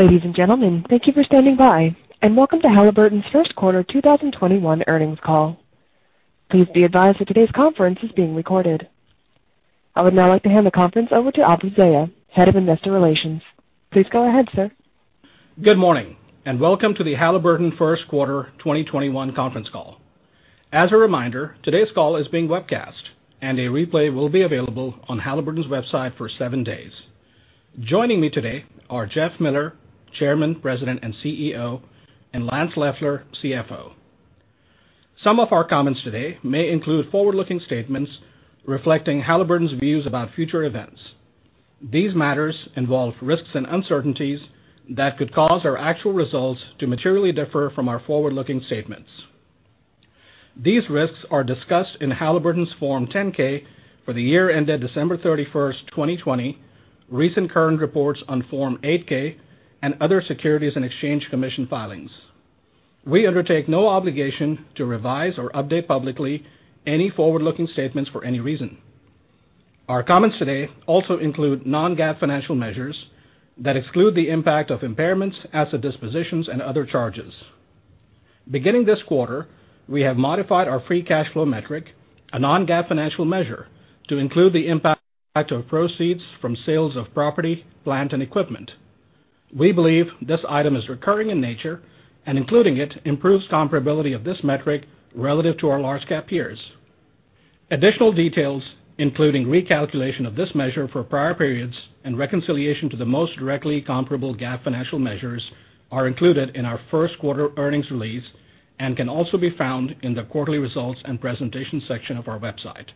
Ladies and gentlemen, thank you for standing by, and welcome to Halliburton's first quarter 2021 earnings call. Please be advised that today's conference is being recorded. I would now like to hand the conference over to Abu Zeya, Head of Investor Relations. Please go ahead, sir. Good morning, and welcome to the Halliburton first quarter 2021 conference call. As a reminder, today's call is being webcast, and a replay will be available on Halliburton's website for seven days. Joining me today are Jeff Miller, Chairman, President, and CEO, and Lance Loeffler, CFO. Some of our comments today may include forward-looking statements reflecting Halliburton's views about future events. These matters involve risks and uncertainties that could cause our actual results to materially differ from our forward-looking statements. These risks are discussed in Halliburton's Form 10-K for the year ended December 31st, 2020, recent current reports on Form 8-K, and other Securities and Exchange Commission filings. We undertake no obligation to revise or update publicly any forward-looking statements for any reason. Our comments today also include non-GAAP financial measures that exclude the impact of impairments, asset dispositions, and other charges. Beginning this quarter, we have modified our free cash flow metric, a non-GAAP financial measure, to include the impact of proceeds from sales of property, plant, and equipment. We believe this item is recurring in nature, and including it improves comparability of this metric relative to our large cap peers. Additional details, including recalculation of this measure for prior periods and reconciliation to the most directly comparable GAAP financial measures, are included in our first quarter earnings release and can also be found in the quarterly results and presentation section of our website.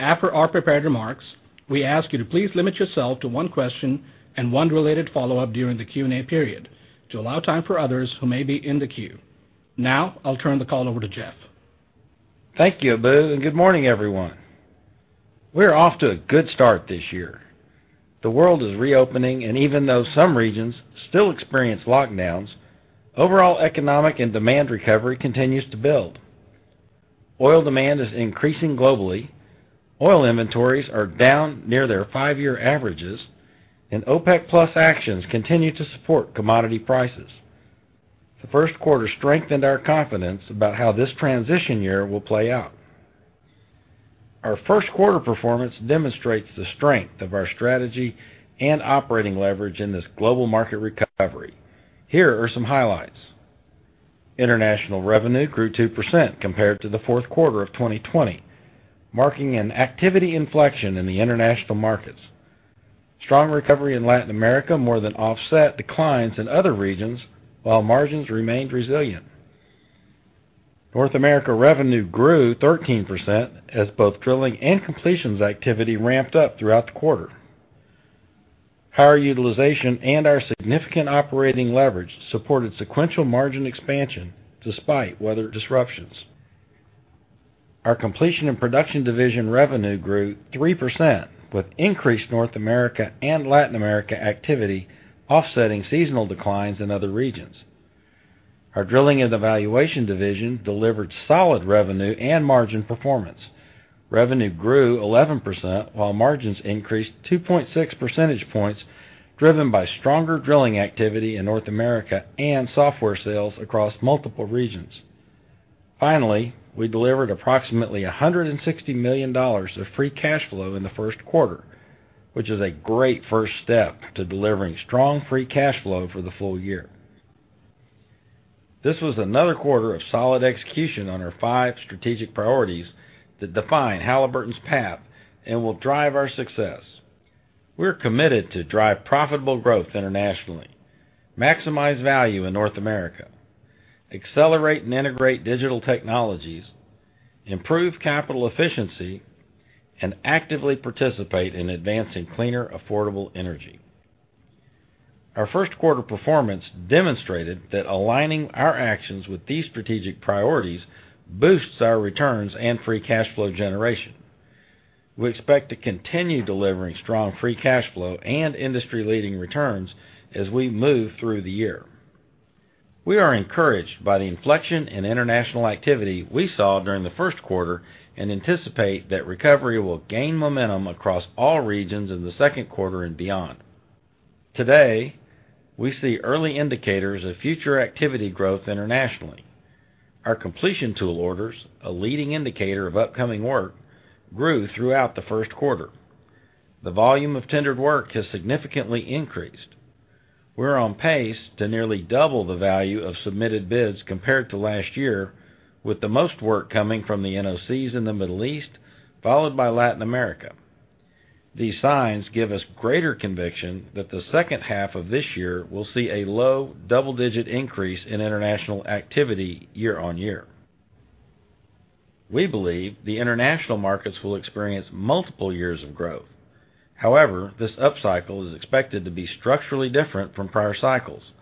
After our prepared remarks, we ask you to please limit yourself to one question and one related follow-up during the Q and A period to allow time for others who may be in the queue. Now, I'll turn the call over to Jeff. Thank you, Abu, and good morning, everyone. We're off to a good start this year. The world is reopening, and even though some regions still experience lockdowns, overall economic and demand recovery continues to build. Oil demand is increasing globally. Oil inventories are down near their five-year averages, and OPEC+ actions continue to support commodity prices. The first quarter strengthened our confidence about how this transition year will play out. Our first quarter performance demonstrates the strength of our strategy and operating leverage in this global market recovery. Here are some highlights. International revenue grew 2% compared to the fourth quarter of 2020, marking an activity inflection in the international markets. Strong recovery in Latin America more than offset declines in other regions, while margins remained resilient. North America revenue grew 13% as both drilling and completions activity ramped up throughout the quarter. Higher utilization and our significant operating leverage supported sequential margin expansion despite weather disruptions. Our Completion and Production division revenue grew 3%, with increased North America and Latin America activity offsetting seasonal declines in other regions. Our Drilling and Evaluation division delivered solid revenue and margin performance. Revenue grew 11%, while margins increased 2.6 percentage points, driven by stronger drilling activity in North America and software sales across multiple regions. Finally, we delivered approximately $160 million of free cash flow in the first quarter, which is a great first step to delivering strong free cash flow for the full year. This was another quarter of solid execution on our five strategic priorities that define Halliburton's path and will drive our success. We're committed to drive profitable growth internationally, maximize value in North America, accelerate and integrate digital technologies, improve capital efficiency, and actively participate in advancing cleaner, affordable energy. Our first quarter performance demonstrated that aligning our actions with these strategic priorities boosts our returns and free cash flow generation. We expect to continue delivering strong free cash flow and industry-leading returns as we move through the year. We are encouraged by the inflection in international activity we saw during the first quarter and anticipate that recovery will gain momentum across all regions in the second quarter and beyond. Today, we see early indicators of future activity growth internationally. Our completion tool orders, a leading indicator of upcoming work, grew throughout the first quarter. The volume of tendered work has significantly increased. We're on pace to nearly double the value of submitted bids compared to last year, with the most work coming from the NOCs in the Middle East, followed by Latin America. These signs give us greater conviction that the second half of this year will see a low double-digit increase in international activity year-on-year. We believe the international markets will experience multiple years of growth. This upcycle is expected to be structurally different from prior cycles,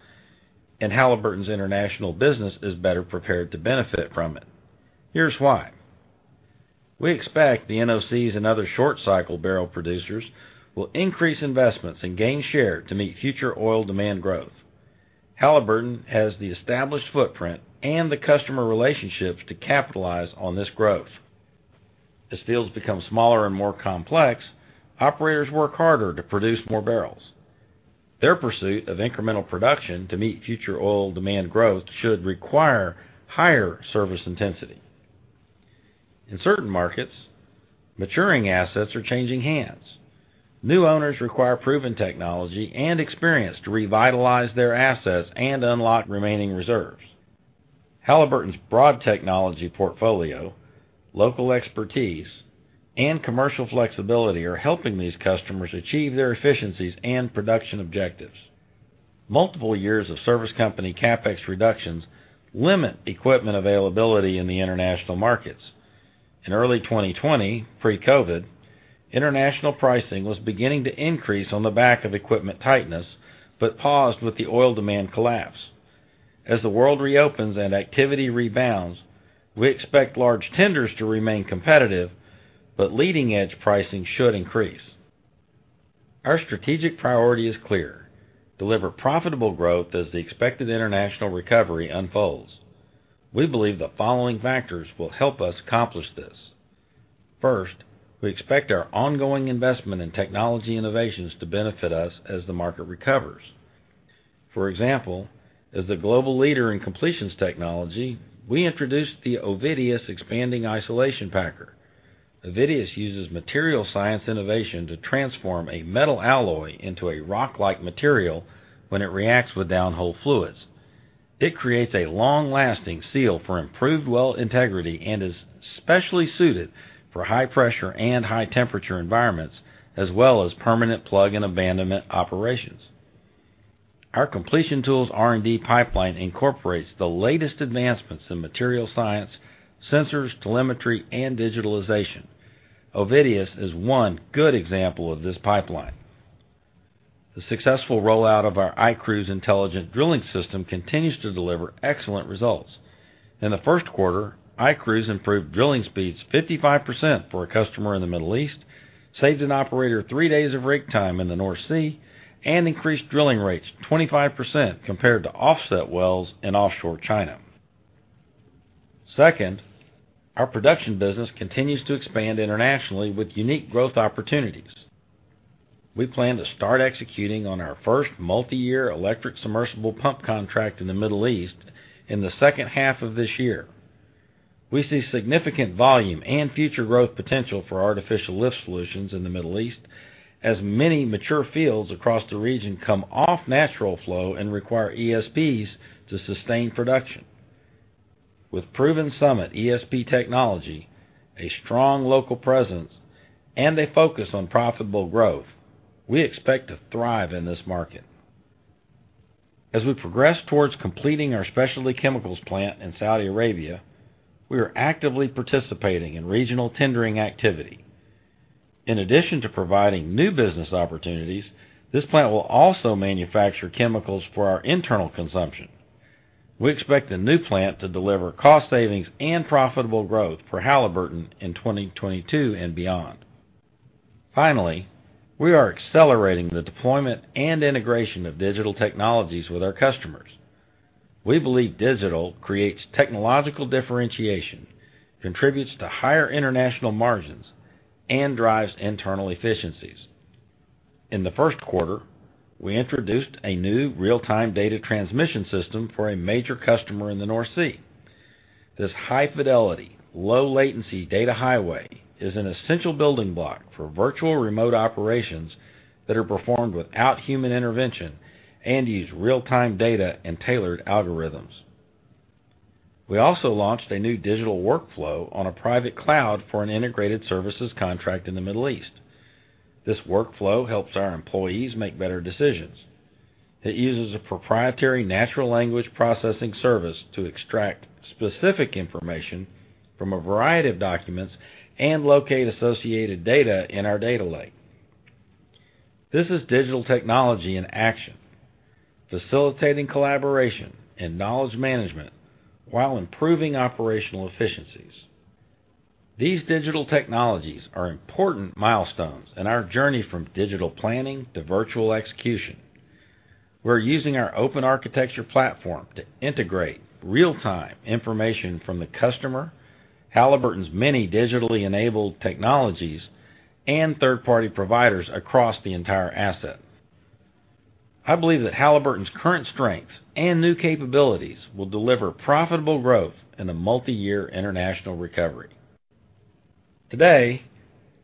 and Halliburton's international business is better prepared to benefit from it. Here's why. We expect the NOCs and other short cycle barrel producers will increase investments and gain share to meet future oil demand growth. Halliburton has the established footprint and the customer relationships to capitalize on this growth. As fields become smaller and more complex, operators work harder to produce more barrels. Their pursuit of incremental production to meet future oil demand growth should require higher service intensity. In certain markets, maturing assets are changing hands. New owners require proven technology and experience to revitalize their assets and unlock remaining reserves. Halliburton's broad technology portfolio, local expertise, and commercial flexibility are helping these customers achieve their efficiencies and production objectives. Multiple years of service company CapEx reductions limit equipment availability in the international markets. In early 2020, pre-COVID, international pricing was beginning to increase on the back of equipment tightness, but paused with the oil demand collapse. As the world reopens and activity rebounds, we expect large tenders to remain competitive, but leading-edge pricing should increase. Our strategic priority is clear: deliver profitable growth as the expected international recovery unfolds. We believe the following factors will help us accomplish this. First, we expect our ongoing investment in technology innovations to benefit us as the market recovers. For example, as the global leader in completions technology, we introduced the Ovidius expanding isolation packer. Ovidius uses material science innovation to transform a metal alloy into a rock-like material when it reacts with downhole fluids. It creates a long-lasting seal for improved well integrity and is especially suited for high-pressure and high-temperature environments, as well as permanent plug and abandonment operations. Our completion tools R&D pipeline incorporates the latest advancements in material science, sensors, telemetry, and digitalization. Ovidius is one good example of this pipeline. The successful rollout of our iCruise intelligent drilling system continues to deliver excellent results. In the first quarter, iCruise improved drilling speeds 55% for a customer in the Middle East, saved an operator three days of rig time in the North Sea, and increased drilling rates 25% compared to offset wells in offshore China. Second, our production business continues to expand internationally with unique growth opportunities. We plan to start executing on our first multi-year electric submersible pump contract in the Middle East in the second half of this year. We see significant volume and future growth potential for artificial lift solutions in the Middle East as many mature fields across the region come off natural flow and require ESPs to sustain production. With proven Summit ESP technology, a strong local presence, and a focus on profitable growth, we expect to thrive in this market. As we progress towards completing our specialty chemicals plant in Saudi Arabia, we are actively participating in regional tendering activity. In addition to providing new business opportunities, this plant will also manufacture chemicals for our internal consumption. We expect the new plant to deliver cost savings and profitable growth for Halliburton in 2022 and beyond. Finally, we are accelerating the deployment and integration of digital technologies with our customers. We believe digital creates technological differentiation, contributes to higher international margins, and drives internal efficiencies. In the first quarter, we introduced a new real-time data transmission system for a major customer in the North Sea. This high-fidelity, low-latency data highway is an essential building block for virtual remote operations that are performed without human intervention and use real-time data and tailored algorithms. We also launched a new digital workflow on a private cloud for an integrated services contract in the Middle East. This workflow helps our employees make better decisions. It uses a proprietary natural language processing service to extract specific information from a variety of documents and locate associated data in our data lake. This is digital technology in action, facilitating collaboration and knowledge management while improving operational efficiencies. These digital technologies are important milestones in our journey from digital planning to virtual execution. We're using our open architecture platform to integrate real-time information from the customer, Halliburton's many digitally enabled technologies, and third-party providers across the entire asset. I believe that Halliburton's current strengths and new capabilities will deliver profitable growth in a multi-year international recovery. Today,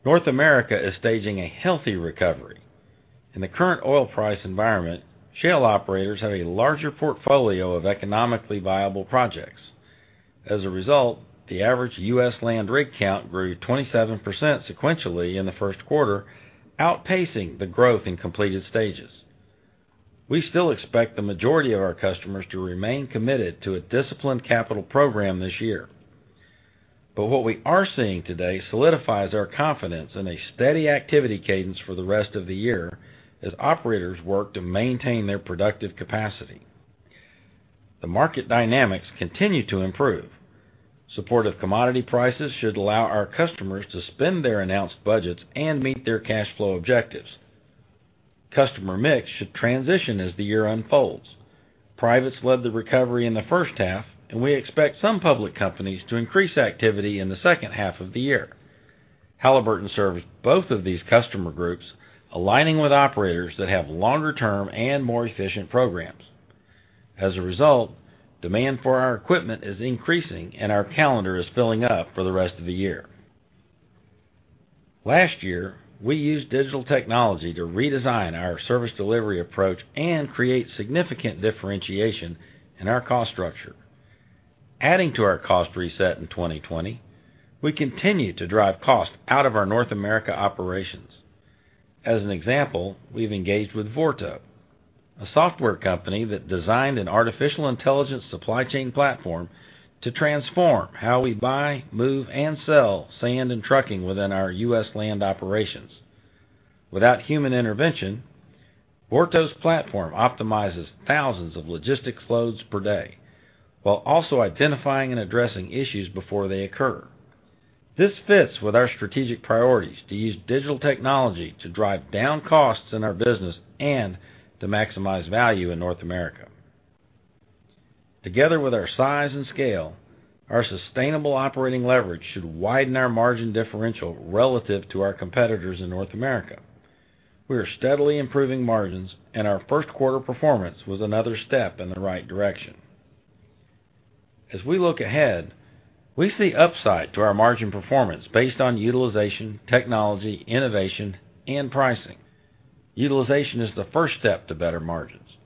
North America is staging a healthy recovery. In the current oil price environment, shale operators have a larger portfolio of economically viable projects. As a result, the average U.S. land rig count grew 27% sequentially in the first quarter, outpacing the growth in completed stages. What we are seeing today solidifies our confidence in a steady activity cadence for the rest of the year as operators work to maintain their productive capacity. The market dynamics continue to improve. Supportive commodity prices should allow our customers to spend their announced budgets and meet their cash flow objectives. Customer mix should transition as the year unfolds. Privates led the recovery in the first half, and we expect some public companies to increase activity in the second half of the year. Halliburton serves both of these customer groups, aligning with operators that have longer-term and more efficient programs. As a result, demand for our equipment is increasing and our calendar is filling up for the rest of the year. Last year, we used digital technology to redesign our service delivery approach and create significant differentiation in our cost structure. Adding to our cost reset in 2020, we continue to drive cost out of our North America operations. As an example, we've engaged with Vorto, a software company that designed an artificial intelligence supply chain platform to transform how we buy, move, and sell sand and trucking within our U.S. land operations. Without human intervention, Vorto's platform optimizes thousands of logistics loads per day, while also identifying and addressing issues before they occur. This fits with our strategic priorities to use digital technology to drive down costs in our business and to maximize value in North America. Together with our size and scale, our sustainable operating leverage should widen our margin differential relative to our competitors in North America. We are steadily improving margins, and our first quarter performance was another step in the right direction. As we look ahead, we see upside to our margin performance based on utilization, technology, innovation, and pricing. Utilization is the first step to better margins.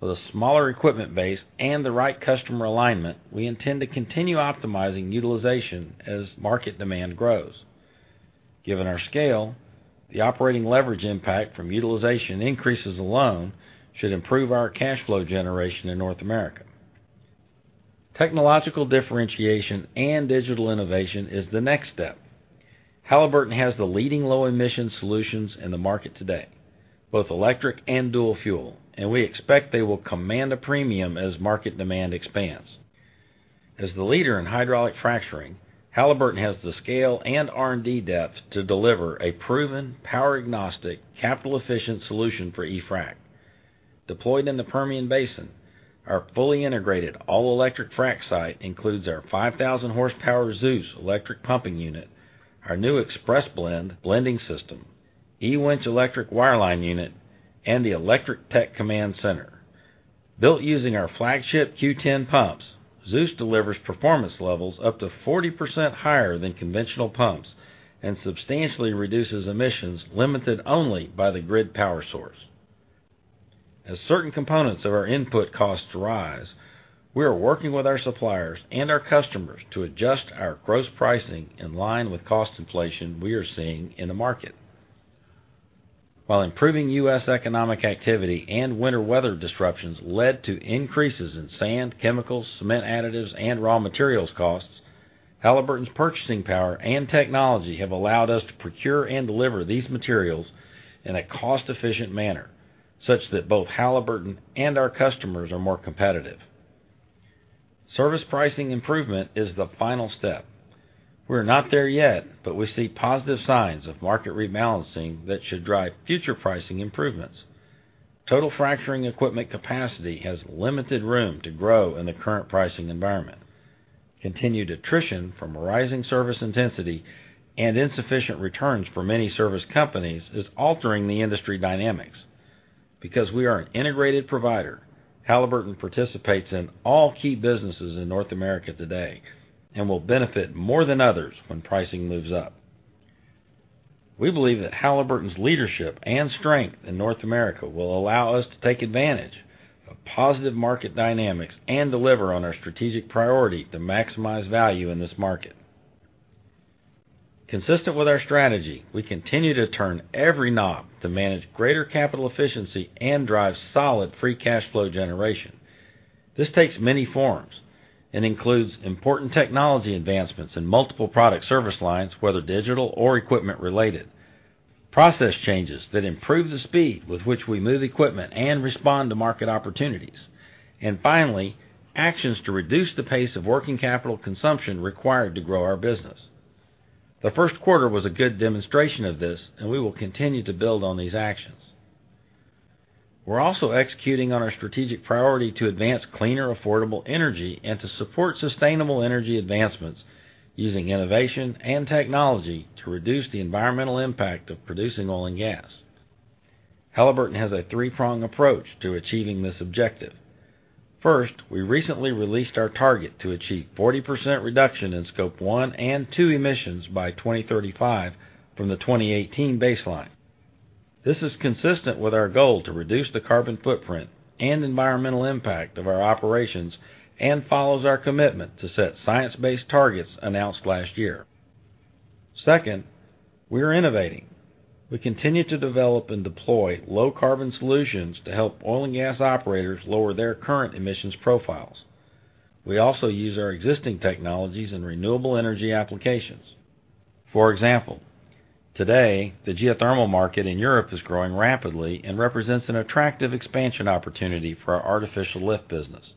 With a smaller equipment base and the right customer alignment, we intend to continue optimizing utilization as market demand grows. Given our scale, the operating leverage impact from utilization increases alone should improve our cash flow generation in North America. Technological differentiation and digital innovation is the next step. Halliburton has the leading low-emission solutions in the market today, both electric and dual fuel, and we expect they will command a premium as market demand expands. As the leader in hydraulic fracturing, Halliburton has the scale and R&D depth to deliver a proven power agnostic, capital-efficient solution for e-frac. Deployed in the Permian Basin, our fully integrated all-electric frac site includes our 5,000 horsepower ZEUS electric pumping unit, our new ExpressBlend blending system, eWinch electric wireline unit, and the electric Tech Command Center. Built using our flagship Q10 pumps, ZEUS delivers performance levels up to 40% higher than conventional pumps and substantially reduces emissions limited only by the grid power source. As certain components of our input costs rise, we are working with our suppliers and our customers to adjust our gross pricing in line with cost inflation we are seeing in the market. While improving U.S. economic activity and winter weather disruptions led to increases in sand, chemicals, cement additives, and raw materials costs, Halliburton's purchasing power and technology have allowed us to procure and deliver these materials in a cost-efficient manner, such that both Halliburton and our customers are more competitive. Service pricing improvement is the final step. We're not there yet, but we see positive signs of market rebalancing that should drive future pricing improvements. Total fracturing equipment capacity has limited room to grow in the current pricing environment. Continued attrition from rising service intensity and insufficient returns for many service companies is altering the industry dynamics. Because we are an integrated provider, Halliburton participates in all key businesses in North America today and will benefit more than others when pricing moves up. We believe that Halliburton's leadership and strength in North America will allow us to take advantage of positive market dynamics and deliver on our strategic priority to maximize value in this market. Consistent with our strategy, we continue to turn every knob to manage greater capital efficiency and drive solid free cash flow generation. This takes many forms and includes important technology advancements in multiple product service lines, whether digital or equipment related, process changes that improve the speed with which we move equipment and respond to market opportunities, and finally, actions to reduce the pace of working capital consumption required to grow our business. The first quarter was a good demonstration of this, and we will continue to build on these actions. We're also executing on our strategic priority to advance cleaner, affordable energy and to support sustainable energy advancements using innovation and technology to reduce the environmental impact of producing oil and gas. Halliburton has a three-pronged approach to achieving this objective. First, we recently released our target to achieve 40% reduction in Scope 1 and 2 emissions by 2035 from the 2018 baseline. This is consistent with our goal to reduce the carbon footprint and environmental impact of our operations and follows our commitment to set science-based targets announced last year. Second, we're innovating. We continue to develop and deploy low-carbon solutions to help oil and gas operators lower their current emissions profiles. We also use our existing technologies in renewable energy applications. For example, today, the geothermal market in Europe is growing rapidly and represents an attractive expansion opportunity for our artificial lift business.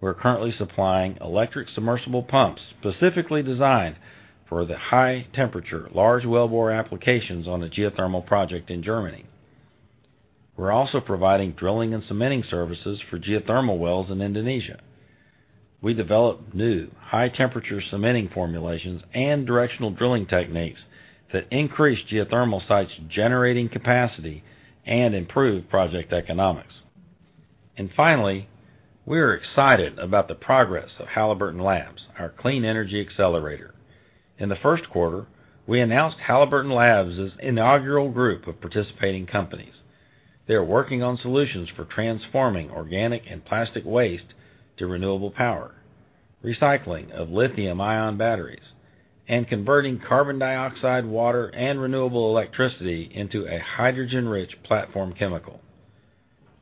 We're currently supplying electric submersible pumps specifically designed for the high temperature, large wellbore applications on a geothermal project in Germany. We're also providing drilling and cementing services for geothermal wells in Indonesia. We developed new high-temperature cementing formulations and directional drilling techniques that increase geothermal sites' generating capacity and improve project economics. Finally, we're excited about the progress of Halliburton Labs, our clean energy accelerator. In the first quarter, we announced Halliburton Labs' inaugural group of participating companies. They're working on solutions for transforming organic and plastic waste to renewable power, recycling of lithium-ion batteries, and converting carbon dioxide, water, and renewable electricity into a hydrogen-rich platform chemical.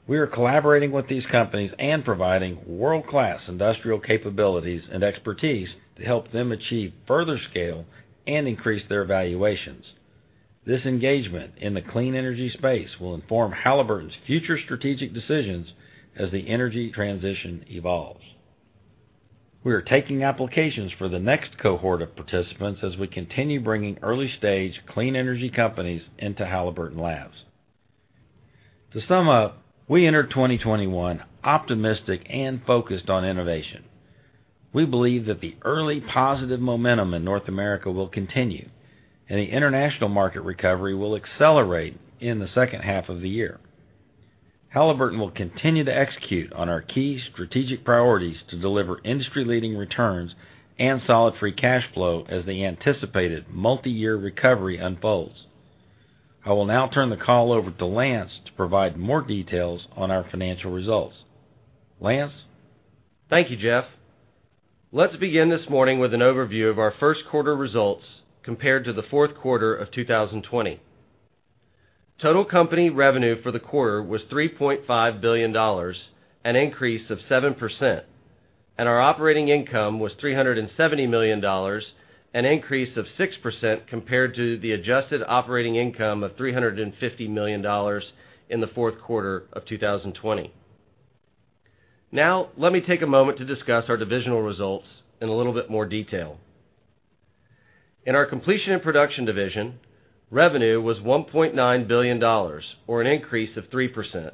We are collaborating with these companies and providing world-class industrial capabilities and expertise to help them achieve further scale and increase their valuations. This engagement in the clean energy space will inform Halliburton's future strategic decisions as the energy transition evolves. We are taking applications for the next cohort of participants as we continue bringing early-stage clean energy companies into Halliburton Labs. To sum up, we enter 2021 optimistic and focused on innovation. We believe that the early positive momentum in North America will continue, and the international market recovery will accelerate in the second half of the year. Halliburton will continue to execute on our key strategic priorities to deliver industry-leading returns and solid free cash flow as the anticipated multi-year recovery unfolds. I will now turn the call over to Lance to provide more details on our financial results. Lance? Thank you, Jeff. Let's begin this morning with an overview of our first quarter results compared to the fourth quarter of 2020. Total company revenue for the quarter was $3.5 billion, an increase of 7%, and our operating income was $370 million, an increase of 6% compared to the adjusted operating income of $350 million in the fourth quarter of 2020. Now, let me take a moment to discuss our divisional results in a little bit more detail. In our Completion and Production division, revenue was $1.9 billion, or an increase of 3%,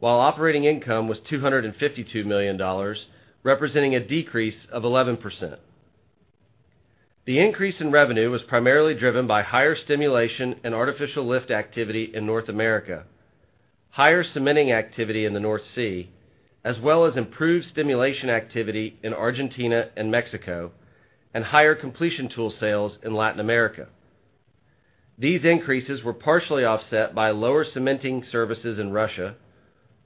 while operating income was $252 million, representing a decrease of 11%. The increase in revenue was primarily driven by higher stimulation and artificial lift activity in North America, higher cementing activity in the North Sea, as well as improved stimulation activity in Argentina and Mexico, and higher completion tool sales in Latin America. These increases were partially offset by lower cementing services in Russia,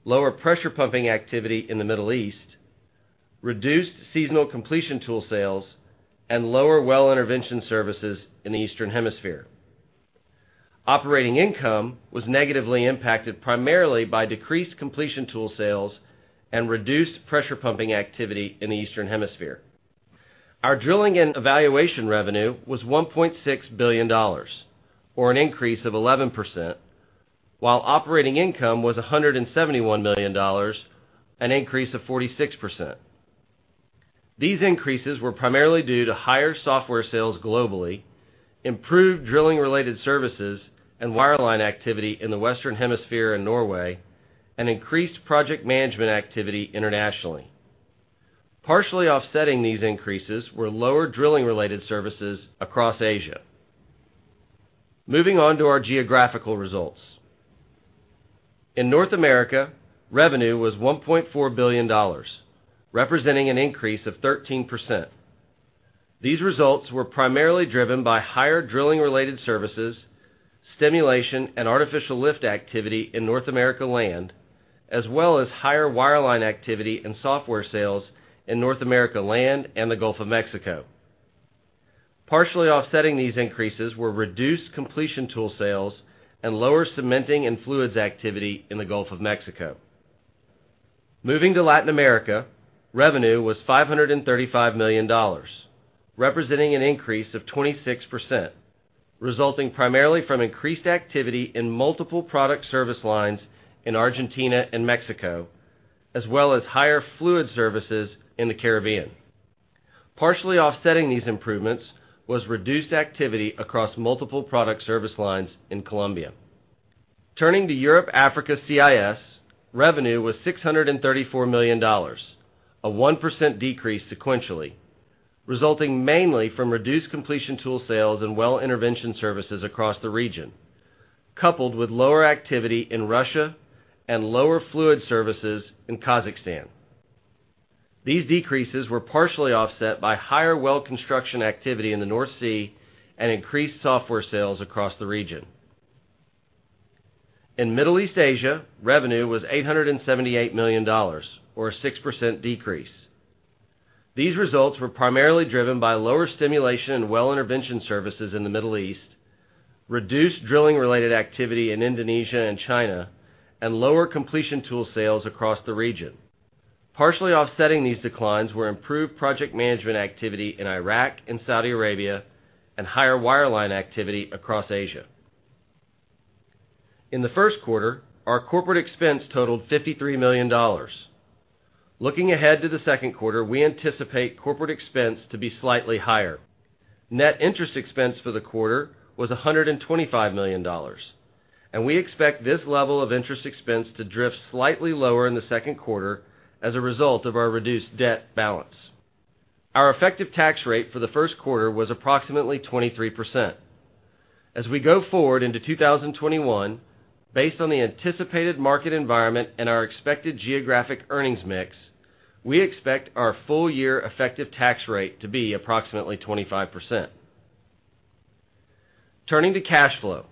lower pressure pumping activity in the Middle East, reduced seasonal completion tool sales, and lower well intervention services in the Eastern Hemisphere. Operating income was negatively impacted primarily by decreased completion tool sales and reduced pressure pumping activity in the Eastern Hemisphere. Our Drilling and Evaluation revenue was $1.6 billion, or an increase of 11%, while operating income was $171 million, an increase of 46%. These increases were primarily due to higher software sales globally, improved drilling-related services, and wireline activity in the Western Hemisphere and Norway, and increased project management activity internationally. Partially offsetting these increases were lower drilling-related services across Asia. Moving on to our geographical results. In North America, revenue was $1.4 billion, representing an increase of 13%. These results were primarily driven by higher drilling-related services, stimulation, and artificial lift activity in North America Land, as well as higher wireline activity and software sales in North America Land and the Gulf of Mexico. Partially offsetting these increases were reduced completion tool sales and lower cementing and fluids activity in the Gulf of Mexico. Moving to Latin America, revenue was $535 million, representing an increase of 26%, resulting primarily from increased activity in multiple product service lines in Argentina and Mexico, as well as higher fluid services in the Caribbean. Partially offsetting these improvements was reduced activity across multiple product service lines in Colombia. Turning to Europe, Africa, CIS, revenue was $634 million, a 1% decrease sequentially, resulting mainly from reduced completion tool sales and well intervention services across the region, coupled with lower activity in Russia and lower fluid services in Kazakhstan. These decreases were partially offset by higher well construction activity in the North Sea and increased software sales across the region. In Middle East/Asia, revenue was $878 million, or a 6% decrease. These results were primarily driven by lower stimulation and well intervention services in the Middle East, reduced drilling-related activity in Indonesia and China, and lower completion tool sales across the region. Partially offsetting these declines were improved project management activity in Iraq and Saudi Arabia, and higher wireline activity across Asia. In the first quarter, our corporate expense totaled $53 million. Looking ahead to the second quarter, we anticipate corporate expense to be slightly higher. Net interest expense for the quarter was $125 million, and we expect this level of interest expense to drift slightly lower in the second quarter as a result of our reduced debt balance. Our effective tax rate for the first quarter was approximately 23%. As we go forward into 2021, based on the anticipated market environment and our expected geographic earnings mix, we expect our full year effective tax rate to be approximately 25%. Turning to cash flow.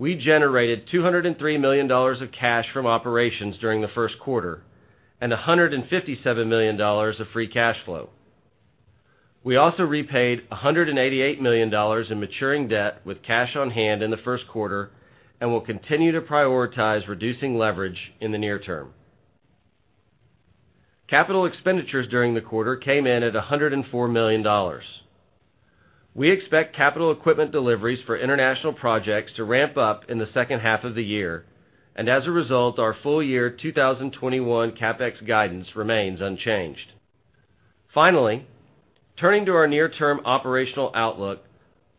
We generated $203 million of cash from operations during the first quarter, and $157 million of free cash flow. We also repaid $188 million in maturing debt with cash on hand in the first quarter, and will continue to prioritize reducing leverage in the near term. Capital expenditures during the quarter came in at $104 million. We expect capital equipment deliveries for international projects to ramp up in the second half of the year, and as a result, our full year 2021 CapEx guidance remains unchanged. Finally, turning to our near-term operational outlook,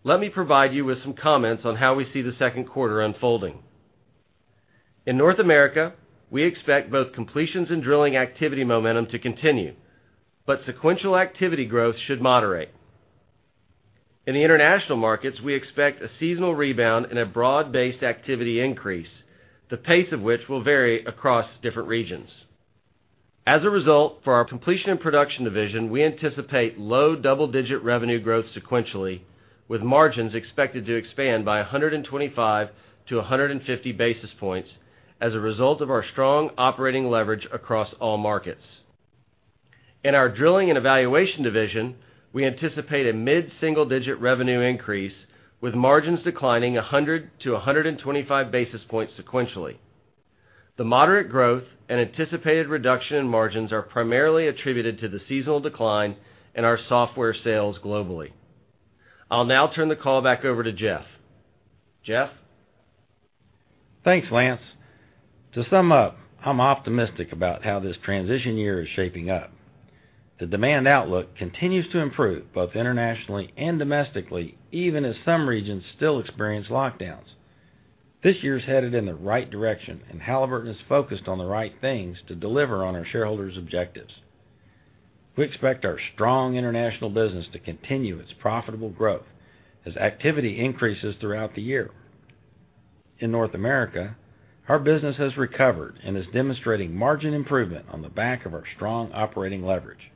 let me provide you with some comments on how we see the second quarter unfolding. In North America, we expect both completions and drilling activity momentum to continue, but sequential activity growth should moderate. In the international markets, we expect a seasonal rebound and a broad-based activity increase, the pace of which will vary across different regions. As a result, for our Completion and Production division, we anticipate low double-digit revenue growth sequentially, with margins expected to expand by 125 to 150 basis points as a result of our strong operating leverage across all markets. In our Drilling and Evaluation division, we anticipate a mid-single-digit revenue increase, with margins declining 100 to 125 basis points sequentially. The moderate growth and anticipated reduction in margins are primarily attributed to the seasonal decline in our software sales globally. I'll now turn the call back over to Jeff. Jeff? Thanks, Lance. To sum up, I'm optimistic about how this transition year is shaping up. The demand outlook continues to improve both internationally and domestically, even as some regions still experience lockdowns. This year's headed in the right direction, and Halliburton is focused on the right things to deliver on our shareholders' objectives. We expect our strong international business to continue its profitable growth as activity increases throughout the year. In North America, our business has recovered and is demonstrating margin improvement on the back of our strong operating leverage.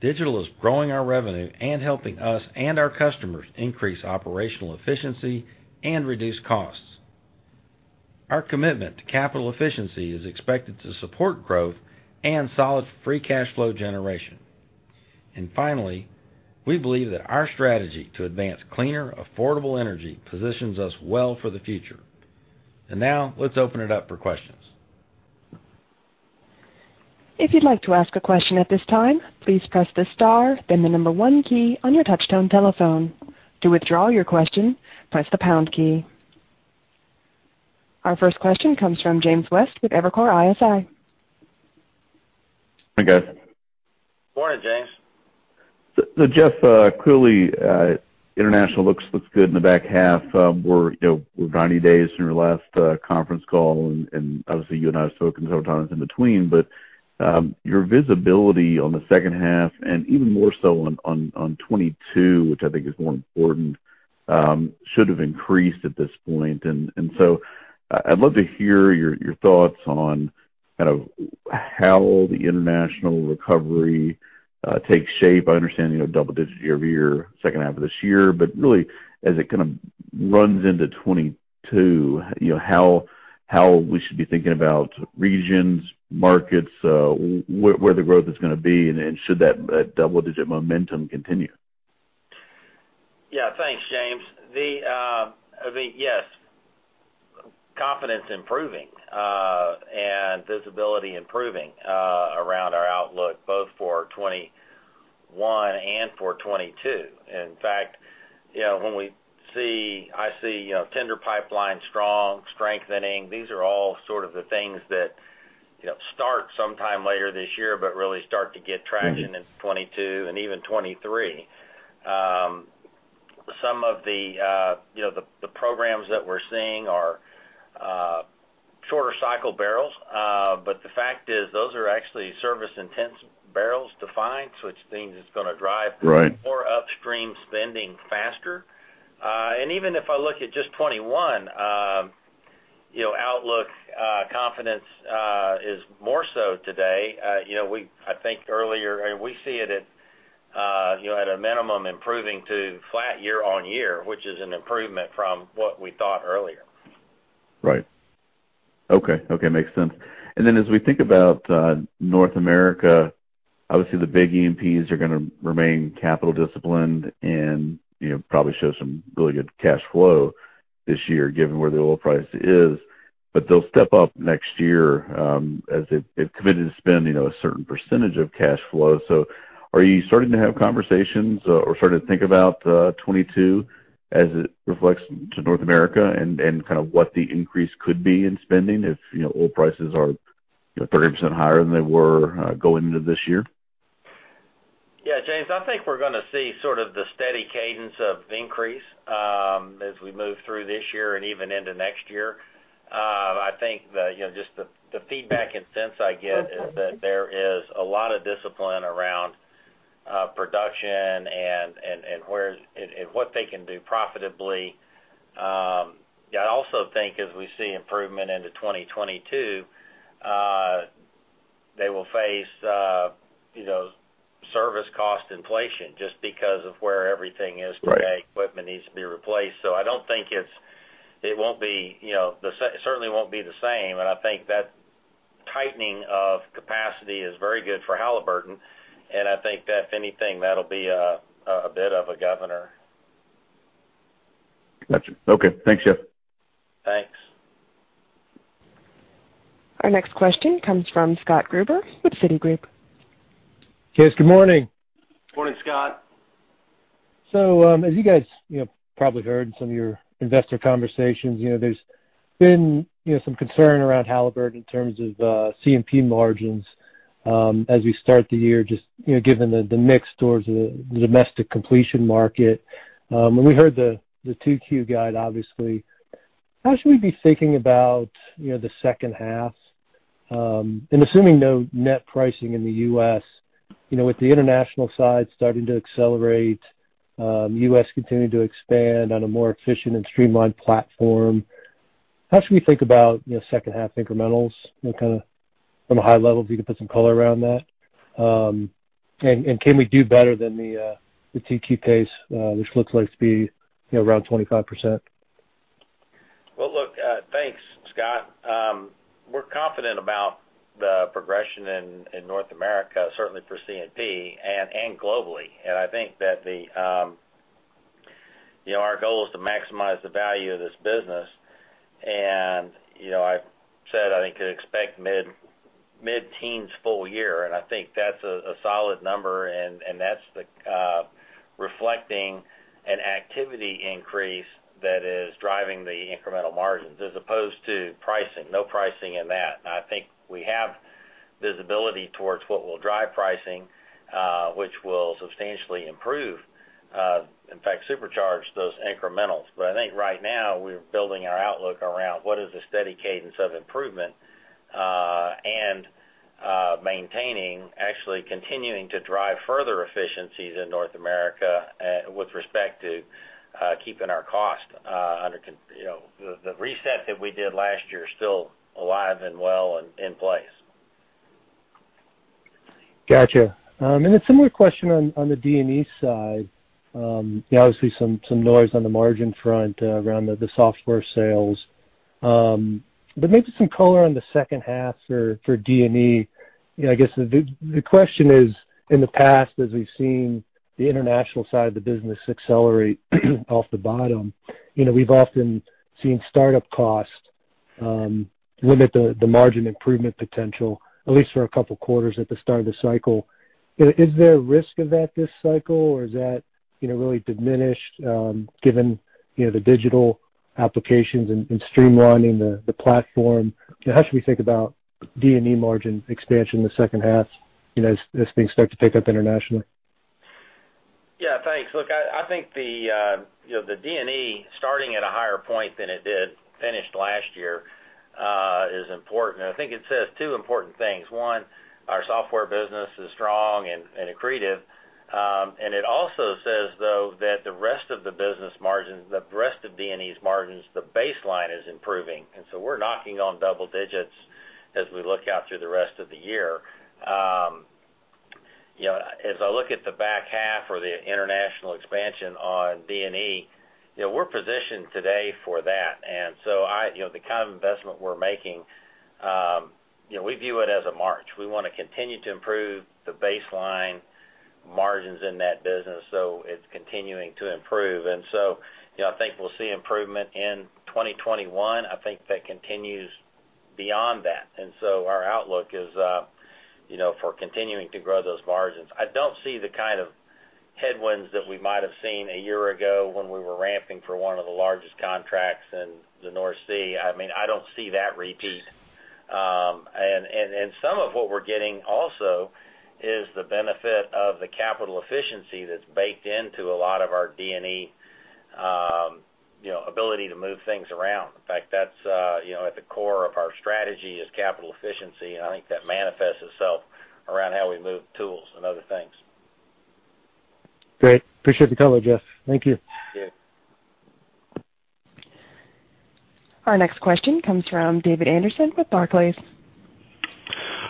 Digital is growing our revenue and helping us and our customers increase operational efficiency and reduce costs. Our commitment to capital efficiency is expected to support growth and solid free cash flow generation. Finally, we believe that our strategy to advance cleaner, affordable energy positions us well for the future. Now, let's open it up for questions. If you would like to ask a question at this time, please press the star then the number one key on your touch-tone telephone. To withdraw your question, press the pound key. Our first question comes from James West with Evercore ISI. Hi, guys. Morning, James. Jeff, clearly, international looks good in the back half. We're 90 days from your last conference call, and obviously you and I have spoken several times in between, but your visibility on the second half and even more so on 2022, which I think is more important, should've increased at this point. I'd love to hear your thoughts on kind of how the international recovery takes shape. I understand double digits year-over-year, second half of this year, but really as it kind of runs into 2022, how we should be thinking about regions, markets, where the growth is gonna be, and should that double-digit momentum continue? Yeah. Thanks, James. Yes, confidence improving, and visibility improving around our outlook, both for 2021 and for 2022. In fact, when I see tender pipeline strong, strengthening, these are all sort of the things that start sometime later this year, but really start to get traction in 2022 and even 2023. Some of the programs that we're seeing are shorter cycle barrels. The fact is, those are actually service intense barrels to find, so which means it's going to drive. Right. More upstream spending faster. Even if I look at just 2021, outlook confidence is more so today. I think we see it at a minimum improving to flat year-on-year, which is an improvement from what we thought earlier. Right. Okay. Makes sense. As we think about North America, obviously the big E&Ps are gonna remain capital disciplined and probably show some really good cash flow this year, given where the oil price is. They'll step up next year, as they've committed to spend a certain % of cash flow. Are you starting to have conversations or starting to think about 2022 as it reflects to North America, and kind of what the increase could be in spending if oil prices are 30% higher than they were going into this year? Yeah, James, I think we're going to see sort of the steady cadence of increase, as we move through this year and even into next year. I think that just the feedback and sense I get is that there is a lot of discipline around production and what they can do profitably. Yeah, I also think as we see improvement into 2022, they will face service cost inflation just because of where everything is today. Right. Equipment needs to be replaced. It certainly won't be the same, and I think that tightening of capacity is very good for Halliburton, and I think that if anything, that'll be a bit of a governor. Got you. Okay. Thanks, Jeff. Thanks. Our next question comes from Scott Gruber with Citigroup. Jeff, good morning. Morning, Scott. As you guys probably heard in some of your investor conversations, there's been some concern around Halliburton in terms of C&P margins, as we start the year just given the mix towards the domestic completion market when we heard the 2Q guide, obviously. How should we be thinking about the second half? Assuming no net pricing in the U.S., with the international side starting to accelerate, U.S. continuing to expand on a more efficient and streamlined platform, how should we think about second half incrementals? What kind of from a high level if you could put some color around that? Can we do better than the 2Q pace, which looks like to be around 25%? Well, look, thanks, Scott. We're confident about the progression in North America, certainly for C&P and globally. I think that our goal is to maximize the value of this business. I've said I think could expect mid-teens full year, and I think that's a solid number, and that's reflecting an activity increase that is driving the incremental margins as opposed to pricing. No pricing in that. I think we have visibility towards what will drive pricing, which will substantially improve, in fact, supercharge those incrementals. I think right now we're building our outlook around what is the steady cadence of improvement, and maintaining, actually continuing to drive further efficiencies in North America with respect to keeping our cost under the reset that we did last year is still alive and well and in place. Got you. A similar question on the D&E side. Obviously some noise on the margin front around the software sales. Maybe some color on the second half for D&E. I guess the question is, in the past, as we've seen the international side of the business accelerate off the bottom, we've often seen startup costs limit the margin improvement potential at least for a couple of quarters at the start of the cycle. Is there a risk of that this cycle, or is that really diminished given the digital applications and streamlining the platform? How should we think about D&E margin expansion in the second half as things start to pick up internationally? Yeah, thanks. Look, I think the D&E starting at a higher point than it did finished last year is important. I think it says two important things. One, our software business is strong and accretive. It also says, though, that the rest of D&E's margins, the baseline is improving. We're knocking on double digits as we look out through the rest of the year. As I look at the back half or the international expansion on D&E, we're positioned today for that. The kind of investment we're making, we view it as a march. We want to continue to improve the baseline margins in that business so it's continuing to improve. I think we'll see improvement in 2021. I think that continues beyond that. Our outlook is for continuing to grow those margins. I don't see the kind of headwinds that we might've seen a year ago when we were ramping for one of the largest contracts in the North Sea. I don't see that repeat. Some of what we're getting also is the benefit of the capital efficiency that's baked into a lot of our D&E ability to move things around. In fact, at the core of our strategy is capital efficiency, and I think that manifests itself around how we move tools and other things. Great. Appreciate the color, Jeff. Thank you. Yeah. Our next question comes from David Anderson with Barclays.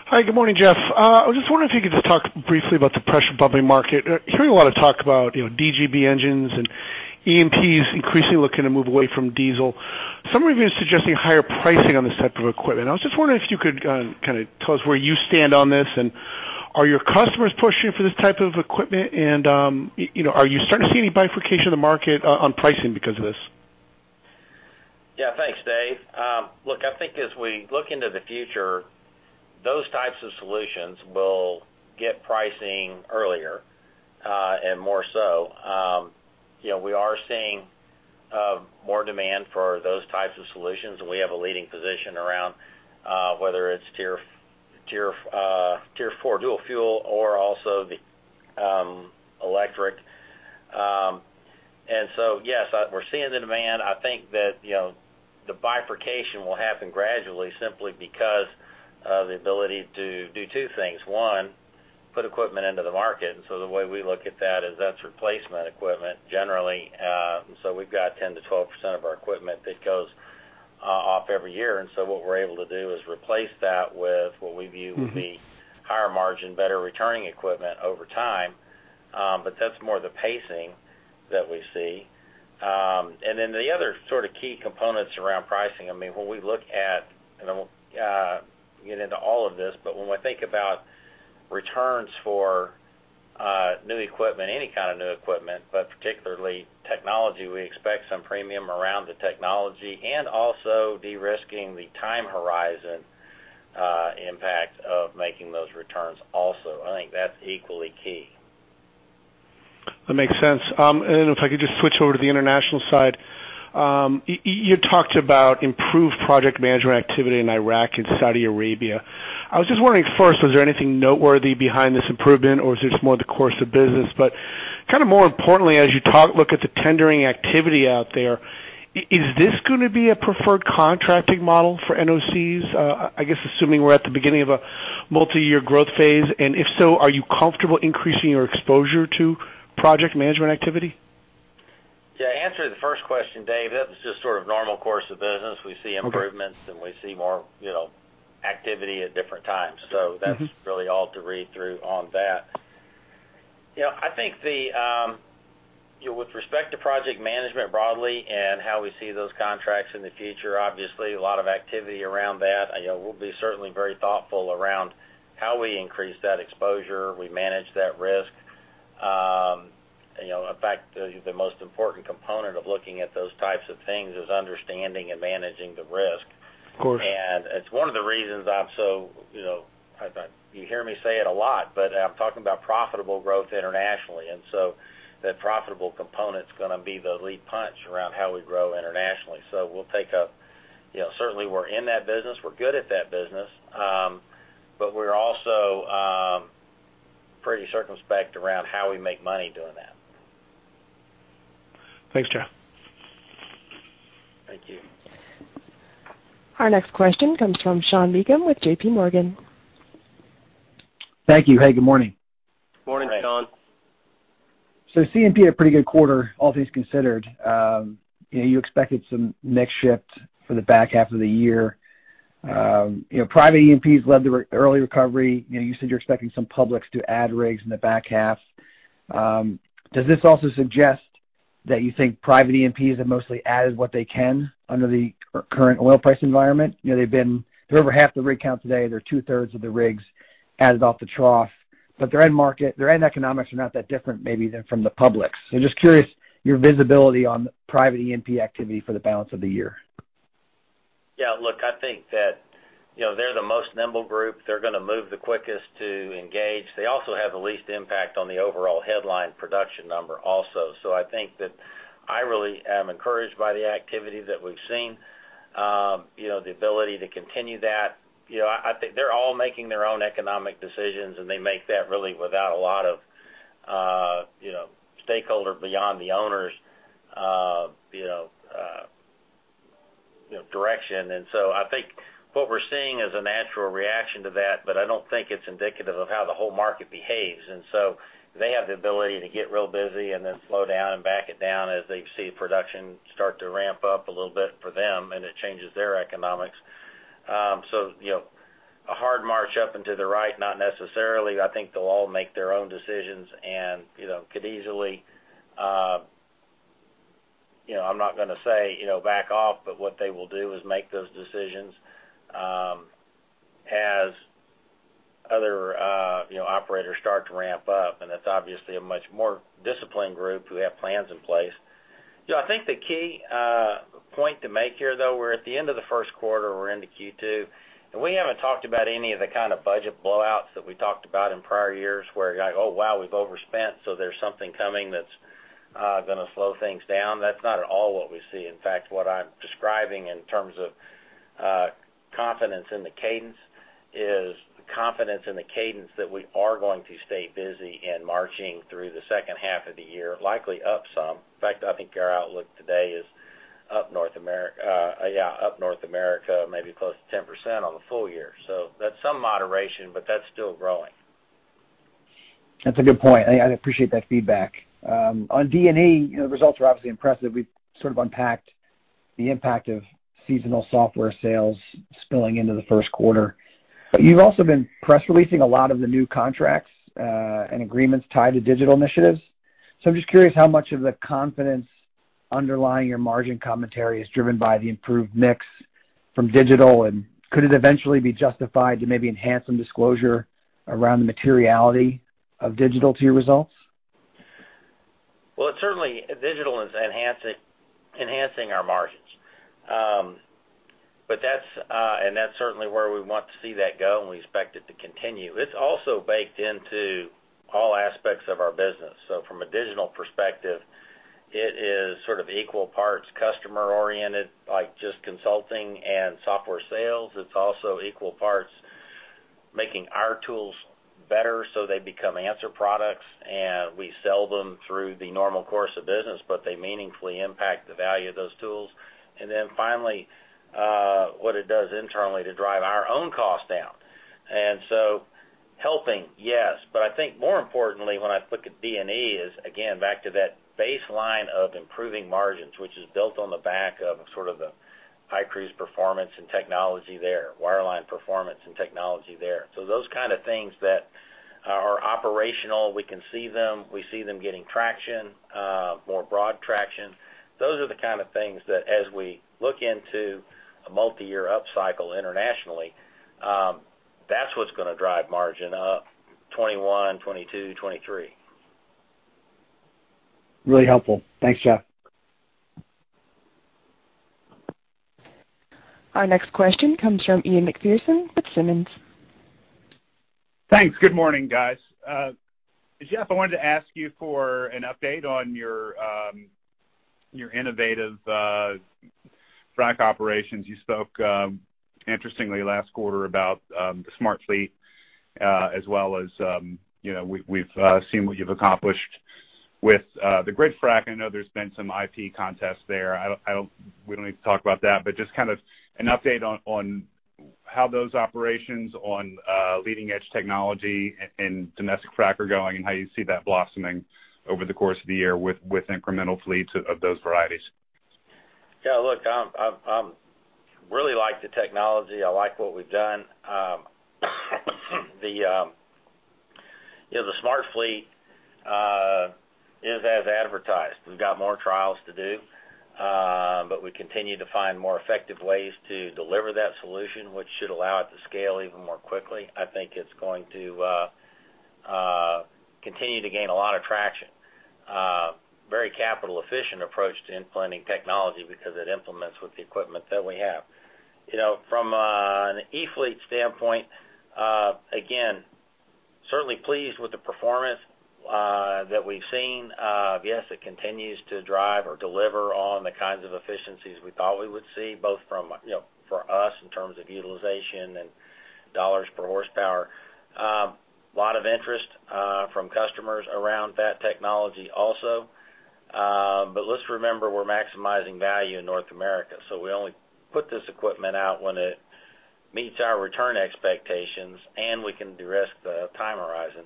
Hi, good morning, Jeff. I just wondered if you could just talk briefly about the pressure pumping market. Hearing a lot of talk about DGB engines and E&Ps increasingly looking to move away from diesel. Some reviews suggesting higher pricing on this type of equipment. I was just wondering if you could kind of tell us where you stand on this. Are your customers pushing for this type of equipment? Are you starting to see any bifurcation of the market on pricing because of this? Thanks, Dave. Look, I think as we look into the future, those types of solutions will get pricing earlier, and more so. We are seeing more demand for those types of solutions, and we have a leading position around whether it's Tier 4 dual fuel or also the electric. Yes, we're seeing the demand. I think that the bifurcation will happen gradually simply because of the ability to do two things. One, put equipment into the market, the way we look at that is that's replacement equipment generally. We've got 10%-12% of our equipment that goes off every year, what we're able to do is replace that with what we view would be higher margin, better returning equipment over time. That's more the pacing that we see. The other sort of key components around pricing, when we look at, and I won't get into all of this, but when we think about returns for new equipment, any kind of new equipment, but particularly technology, we expect some premium around the technology and also de-risking the time horizon impact of making those returns also. I think that's equally key. That makes sense. If I could just switch over to the international side. You talked about improved project management activity in Iraq and Saudi Arabia. I was just wondering, first, was there anything noteworthy behind this improvement, or is this more the course of business? Kind of more importantly, as you look at the tendering activity out there, is this going to be a preferred contracting model for NOCs? I guess assuming we're at the beginning of a multi-year growth phase, and if so, are you comfortable increasing your exposure to project management activity? To answer the first question, Dave, that was just sort of normal course of business. Okay. We see improvements and we see more activity at different times. That's really all to read through on that. I think with respect to project management broadly and how we see those contracts in the future, obviously a lot of activity around that. We'll be certainly very thoughtful around how we increase that exposure, we manage that risk. In fact, the most important component of looking at those types of things is understanding and managing the risk. Of course. It's one of the reasons I'm so, you hear me say it a lot, but I'm talking about profitable growth internationally. That profitable component's going to be the lead punch around how we grow internationally. Certainly we're in that business. We're good at that business. We're also pretty circumspect around how we make money doing that. Thanks, Jeff. Thank you. Our next question comes from Sean Meakim with JPMorgan. Thank you. Hey, good morning. Morning, Sean. C&P had a pretty good quarter, all things considered. You expected some mix shift for the back half of the year. Private E&Ps led the early recovery. You said you're expecting some publics to add rigs in the back half. Does this also suggest that you think private E&Ps have mostly added what they can under the current oil price environment? They're over half the rig count today. They're two-thirds of the rigs added off the trough. Their end market, their end economics are not that different maybe than from the publics. Just curious, your visibility on private E&P activity for the balance of the year. Yeah, look, I think that they're the most nimble group. They're going to move the quickest to engage. They also have the least impact on the overall headline production number also. I think that I really am encouraged by the activity that we've seen, the ability to continue that. I think they're all making their own economic decisions, and they make that really without a lot of stakeholder beyond the owners' direction. I think what we're seeing is a natural reaction to that, but I don't think it's indicative of how the whole market behaves, they have the ability to get real busy and then slow down and back it down as they see production start to ramp up a little bit for them, and it changes their economics. A hard march up into the right, not necessarily. I think they'll all make their own decisions and could easily, I'm not going to say back off, but what they will do is make those decisions as other operators start to ramp up, and that's obviously a much more disciplined group who have plans in place. I think the key point to make here, though, we're at the end of the first quarter, we're into Q2, and we haven't talked about any of the kind of budget blowouts that we talked about in prior years where you're like, "Oh, wow, we've overspent, so there's something coming that's going to slow things down." That's not at all what we see. In fact, what I'm describing in terms of confidence in the cadence is confidence in the cadence that we are going to stay busy in marching through the second half of the year, likely up some. In fact, I think our outlook today is up North America, maybe close to 10% on the full year. That's some moderation, but that's still growing. That's a good point. I appreciate that feedback. On D&E, the results were obviously impressive. We've sort of unpacked the impact of seasonal software sales spilling into the first quarter. You've also been press releasing a lot of the new contracts, and agreements tied to digital initiatives. I'm just curious how much of the confidence underlying your margin commentary is driven by the improved mix from digital, and could it eventually be justified to maybe enhance some disclosure around the materiality of digital to your results? Well, certainly, digital is enhancing our margins. That's certainly where we want to see that go, and we expect it to continue. It's also baked into all aspects of our business. From a digital perspective, it is equal parts customer-oriented, like just consulting and software sales. It's also equal parts making our tools better, so they become answer products, and we sell them through the normal course of business, but they meaningfully impact the value of those tools. Finally, what it does internally to drive our own cost down. Helping, yes. I think more importantly, when I look at D&E is, again, back to that baseline of improving margins, which is built on the back of the iCruise performance and technology there, wireline performance and technology there. Those kind of things that are operational, we can see them, we see them getting traction, more broad traction. Those are the kind of things that as we look into a multi-year upcycle internationally, that's what's going to drive margin up 2021, 2022, 2023. Really helpful. Thanks, Jeff. Our next question comes from Ian Macpherson with Simmons. Thanks. Good morning, guys. Jeff, I wanted to ask you for an update on your innovative frac operations. You spoke interestingly last quarter about SmartFleet, as well as we've seen what you've accomplished with the grid-powered fracturing. I know there's been some IP contests there. We don't need to talk about that, but just an update on how those operations on leading-edge technology and domestic frack are going and how you see that blossoming over the course of the year with incremental fleets of those varieties. Yeah, look, I really like the technology. I like what we've done. The SmartFleet is as advertised. We've got more trials to do, but we continue to find more effective ways to deliver that solution, which should allow it to scale even more quickly. I think it's going to continue to gain a lot of traction. Very capital efficient approach to implementing technology because it implements with the equipment that we have. From an e-fleet standpoint, again, certainly pleased with the performance that we've seen. Yes, it continues to drive or deliver on the kinds of efficiencies we thought we would see, both for us in terms of utilization and dollars per horsepower. Lot of interest from customers around that technology also. Let's remember we're maximizing value in North America, so we only put this equipment out when it meets our return expectations and we can de-risk the time horizon.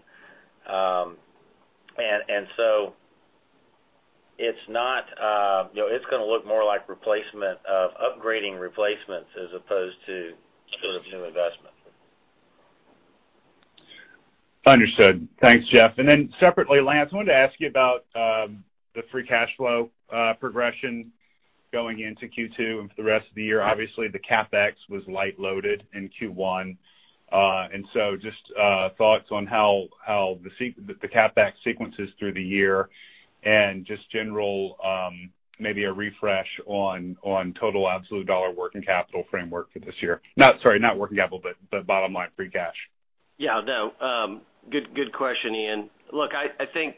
It's going to look more like replacement of upgrading replacements as opposed to new investment. Understood. Thanks, Jeff. Separately, Lance, I wanted to ask you about the free cash flow progression going into Q2 and for the rest of the year. Obviously, the CapEx was light loaded in Q1. Just thoughts on how the CapEx sequences through the year and just general, maybe a refresh on total absolute dollar working capital framework for this year. Sorry, not working capital, but bottom line free cash. Yeah. No. Good question, Ian. Look, I think,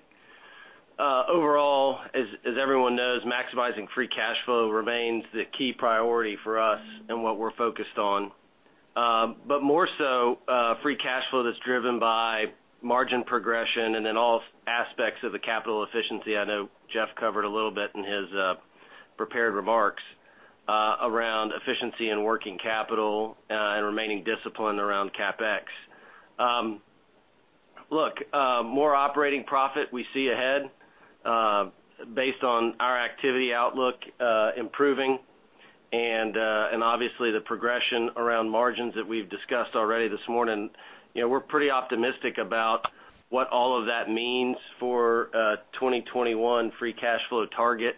overall, as everyone knows, maximizing free cash flow remains the key priority for us and what we're focused on. More so, free cash flow that's driven by margin progression and then all aspects of the capital efficiency. I know Jeff covered a little bit in his prepared remarks around efficiency and working capital, and remaining disciplined around CapEx. Look, more operating profit we see ahead, based on our activity outlook improving and obviously the progression around margins that we've discussed already this morning. We're pretty optimistic about what all of that means for 2021 free cash flow target,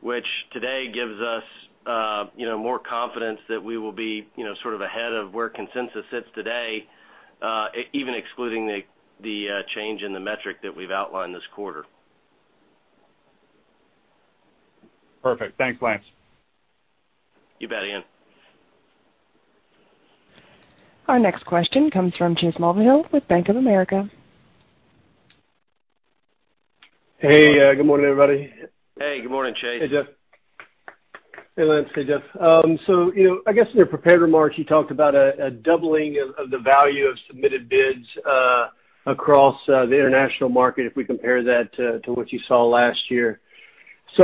which today gives us more confidence that we will be ahead of where consensus sits today, even excluding the change in the metric that we've outlined this quarter. Perfect. Thanks, Lance. You bet, Ian. Our next question comes from Chase Mulvehill with Bank of America. Hey, good morning, everybody. Hey, good morning, Chase. Hey, Jeff. Hey, Lance. Hey, Jeff. I guess in your prepared remarks, you talked about a doubling of the value of submitted bids across the international market if we compare that to what you saw last year.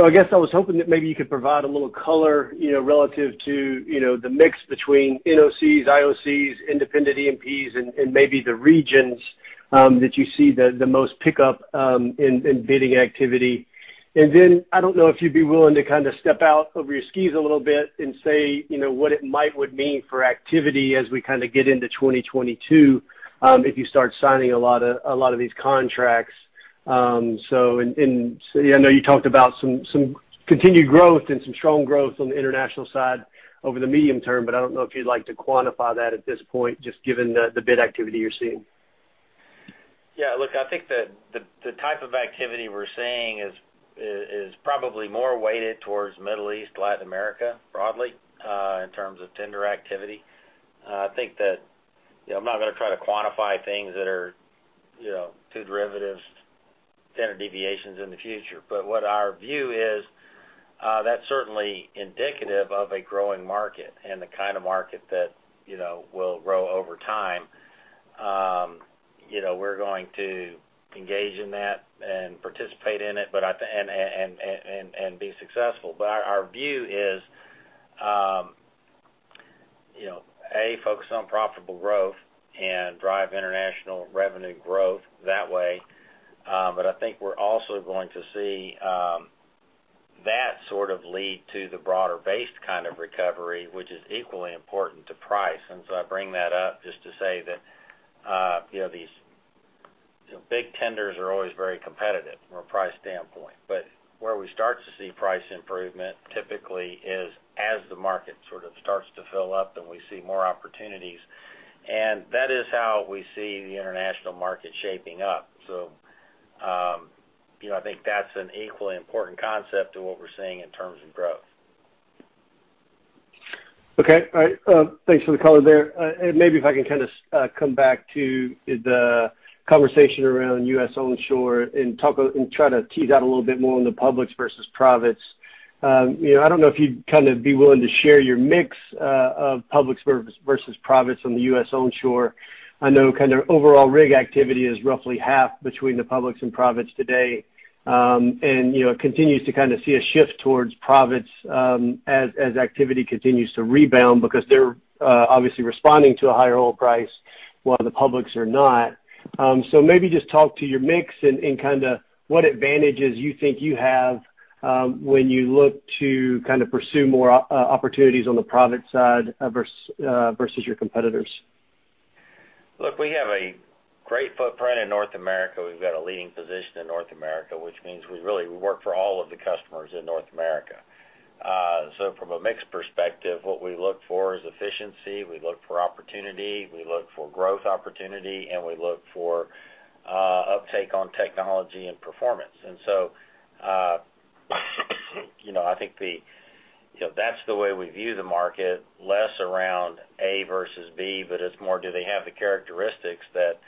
I guess I was hoping that maybe you could provide a little color, relative to the mix between NOCs, IOCs, independent E&Ps and maybe the regions that you see the most pickup in bidding activity. I don't know if you'd be willing to step out over your skis a little bit and say what it might would mean for activity as we get into 2022 if you start signing a lot of these contracts. I know you talked about some continued growth and some strong growth on the international side over the medium term, but I don't know if you'd like to quantify that at this point, just given the bid activity you're seeing. Look, I think the type of activity we're seeing is probably more weighted towards Middle East, Latin America, broadly, in terms of tender activity. I think that I'm not going to try to quantify things that are too derivative, tender deviations in the future. What our view is, that's certainly indicative of a growing market and the kind of market that will grow over time. We're going to engage in that and participate in it, and be successful. Our view is, A, focus on profitable growth and drive international revenue growth that way. I think we're also going to see that sort of lead to the broader-based kind of recovery, which is equally important to price. I bring that up just to say that these big tenders are always very competitive from a price standpoint. Where we start to see price improvement, typically, is as the market sort of starts to fill up and we see more opportunities. That is how we see the international market shaping up. I think that's an equally important concept to what we're seeing in terms of growth. Okay. All right. Thanks for the color there. Maybe if I can kind of come back to the conversation around U.S. onshore and try to tease out a little bit more on the publics versus privates. I don't know if you'd kind of be willing to share your mix of publics versus privates on the U.S. onshore. I know kind of overall rig activity is roughly half between the publics and privates today. It continues to kind of see a shift towards privates as activity continues to rebound because they're obviously responding to a higher oil price while the publics are not. Maybe just talk to your mix and kind of what advantages you think you have, when you look to kind of pursue more opportunities on the private side versus your competitors. Look, we have a great footprint in North America. We've got a leading position in North America, which means we really work for all of the customers in North America. From a mix perspective, what we look for is efficiency, we look for opportunity, we look for growth opportunity, and we look for uptake on technology and performance. I think that's the way we view the market, less around A versus B, but it's more do they have the characteristics that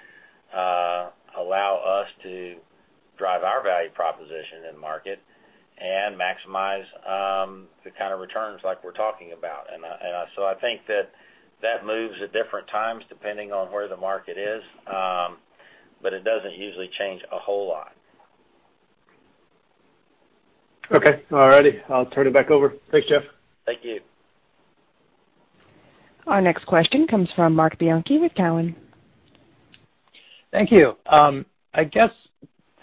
allow us to drive our value proposition in the market and maximize the kind of returns like we're talking about. I think that that moves at different times, depending on where the market is. It doesn't usually change a whole lot. Okay. All righty. I'll turn it back over. Thanks, Jeff. Thank you. Our next question comes from Marc Bianchi with Cowen. Thank you. I guess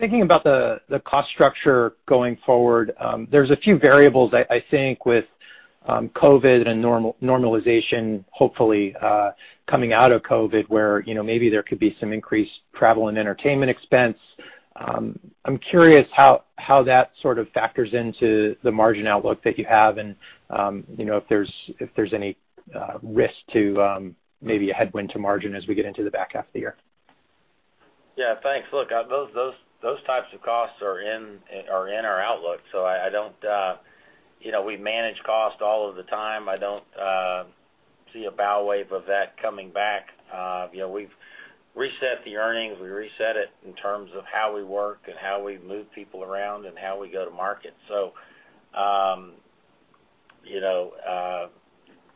thinking about the cost structure going forward, there's a few variables, I think, with COVID and normalization, hopefully, coming out of COVID, where maybe there could be some increased travel and entertainment expense. I'm curious how that sort of factors into the margin outlook that you have and if there's any risk to maybe a headwind to margin as we get into the back half of the year? Yeah, thanks. Look, those types of costs are in our outlook, so we manage cost all of the time. I don't see a bow wave of that coming back. We've reset the earnings. We reset it in terms of how we work and how we move people around and how we go to market.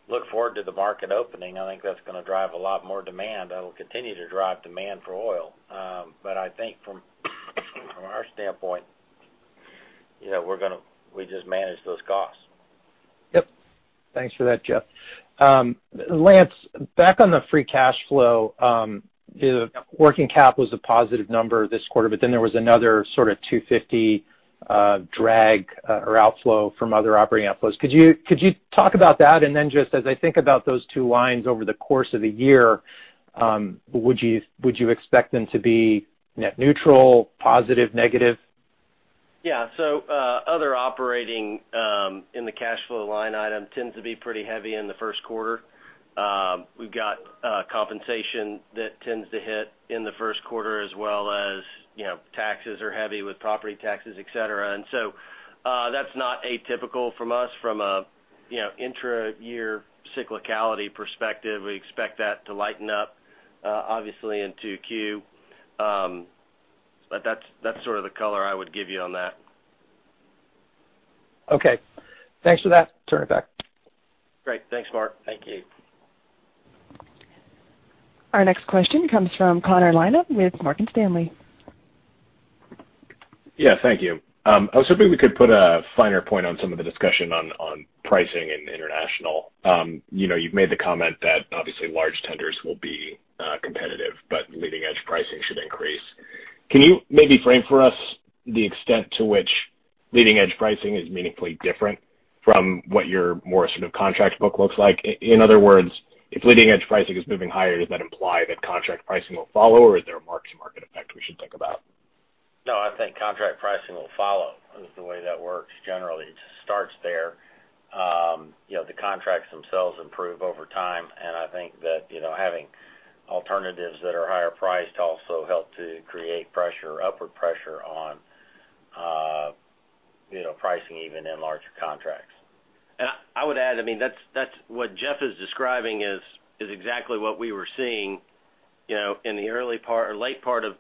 Look forward to the market opening. I think that's gonna drive a lot more demand. That'll continue to drive demand for oil. I think from our standpoint, we just manage those costs. Yep. Thanks for that, Jeff. Lance, back on the free cash flow, working cap was a positive number this quarter, there was another sort of $250 drag or outflow from other operating outflows. Could you talk about that? Just as I think about those two lines over the course of the year, would you expect them to be net neutral, positive, negative? Yeah. Other operating, in the cash flow line item tends to be pretty heavy in the first quarter. We've got compensation that tends to hit in the first quarter as well as taxes are heavy with property taxes, et cetera. That's not atypical from us from an intra-year cyclicality perspective. We expect that to lighten up, obviously, in 2Q. That's sort of the color I would give you on that. Okay. Thanks for that. Turn it back. Great. Thanks, Marc. Thank you. Our next question comes from Connor Lynagh with Morgan Stanley. Yeah, thank you. I was hoping we could put a finer point on some of the discussion on pricing in international. You've made the comment that obviously large tenders will be competitive, but leading-edge pricing should increase. Can you maybe frame for us the extent to which leading edge pricing is meaningfully different from what your more sort of contract book looks like. In other words, if leading edge pricing is moving higher, does that imply that contract pricing will follow, or is there a marks-to-market effect we should think about? No, I think contract pricing will follow, is the way that works generally. It starts there. The contracts themselves improve over time. I think that having alternatives that are higher priced also help to create pressure, upward pressure on pricing even in larger contracts. I would add, what Jeff is describing is exactly what we were seeing in the early part or late part of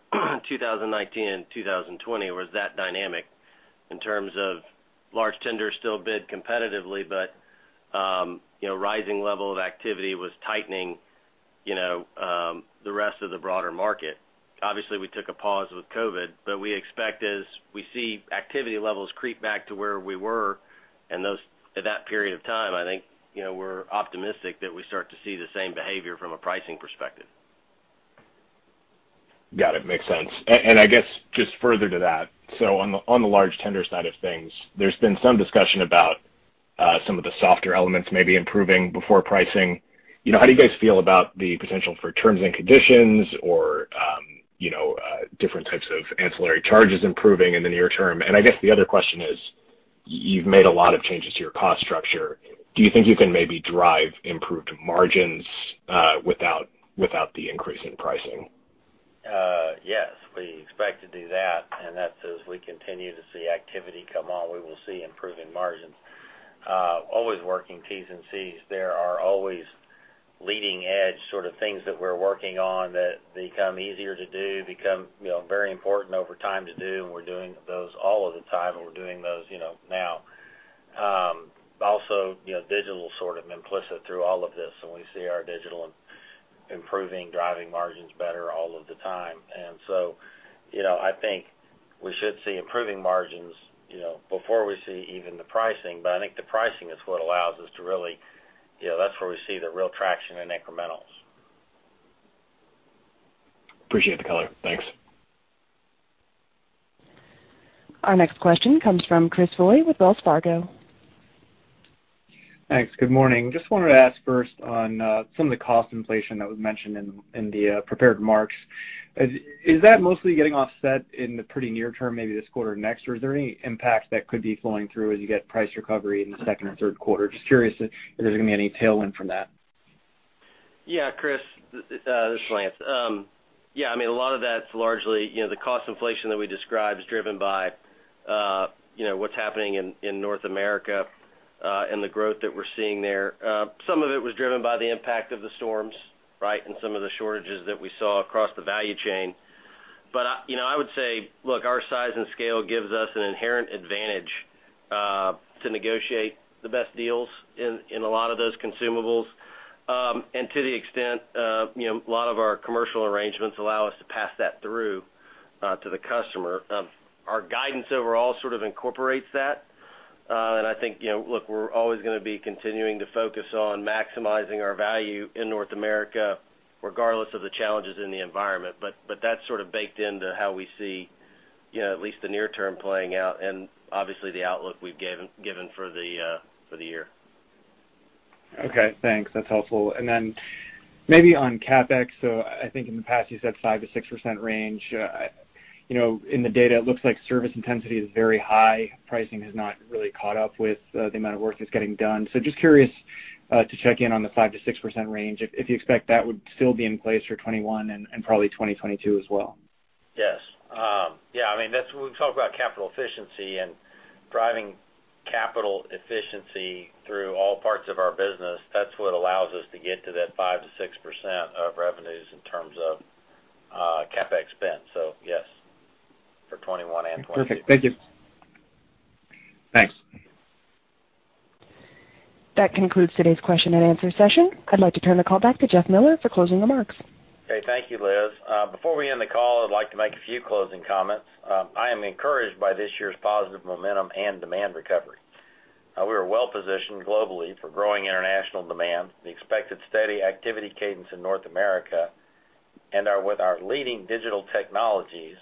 2019 and 2020, was that dynamic in terms of large tenders still bid competitively, but rising level of activity was tightening the rest of the broader market. Obviously, we took a pause with COVID, but we expect as we see activity levels creep back to where we were at that period of time, I think we're optimistic that we start to see the same behavior from a pricing perspective. Got it. Makes sense. I guess just further to that, so on the large tender side of things, there's been some discussion about some of the softer elements maybe improving before pricing. How do you guys feel about the potential for terms and conditions or different types of ancillary charges improving in the near term? I guess the other question is, you've made a lot of changes to your cost structure. Do you think you can maybe drive improved margins without the increase in pricing? Yes. We expect to do that, and that's as we continue to see activity come on, we will see improving margins. Always working Ts and Cs. There are always leading edge sort of things that we're working on that become easier to do, become very important over time to do, and we're doing those all of the time, and we're doing those now. Also, digital sort of implicit through all of this, and we see our digital improving, driving margins better all of the time. I think we should see improving margins before we see even the pricing. I think the pricing is what allows us to really That's where we see the real traction in incrementals. Appreciate the color. Thanks. Our next question comes from Chris Foley with Wells Fargo. Thanks. Good morning. Just wanted to ask first on some of the cost inflation that was mentioned in the prepared remarks. Is that mostly getting offset in the pretty near term, maybe this quarter or next, or is there any impact that could be flowing through as you get price recovery in the second or third quarter? Just curious if there's going to be any tailwind from that. Yeah, Chris. This is Lance. Yeah, a lot of that's largely the cost inflation that we describe is driven by what's happening in North America and the growth that we're seeing there. Some of it was driven by the impact of the storms, right, and some of the shortages that we saw across the value chain. I would say, look, our size and scale gives us an inherent advantage to negotiate the best deals in a lot of those consumables. To the extent a lot of our commercial arrangements allow us to pass that through to the customer. Our guidance overall sort of incorporates that. I think, look, we're always going to be continuing to focus on maximizing our value in North America regardless of the challenges in the environment. That's sort of baked into how we see at least the near term playing out and obviously the outlook we've given for the year. Okay, thanks. That's helpful. Maybe on CapEx, I think in the past you said 5%-6% range. In the data it looks like service intensity is very high. Pricing has not really caught up with the amount of work that's getting done. Just curious to check in on the 5%-6% range, if you expect that would still be in place for 2021 and probably 2022 as well. Yes. Yeah, when we talk about capital efficiency and driving capital efficiency through all parts of our business, that's what allows us to get to that 5%-6% of revenues in terms of CapEx spend. Yes, for 2021 and 2022. Perfect. Thank you. Thanks. That concludes today's question and answer session. I'd like to turn the call back to Jeff Miller for closing remarks. Thank you, Liz. Before we end the call, I'd like to make a few closing comments. I am encouraged by this year's positive momentum and demand recovery. We are well-positioned globally for growing international demand, the expected steady activity cadence in North America, and with our leading digital technologies,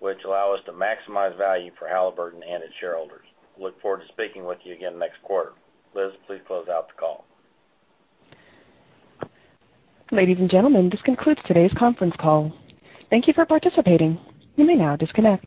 which allow us to maximize value for Halliburton and its shareholders. Look forward to speaking with you again next quarter. Liz, please close out the call. Ladies and gentlemen, this concludes today's conference call. Thank you for participating. You may now disconnect.